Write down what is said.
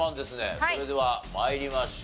それでは参りましょう。